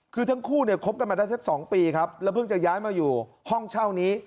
คือทั้งคู่เนี่ยคบกันมาได้สัก๒ปีครับแล้วเพิ่งจะย้ายมาอยู่ห้องเช่านี้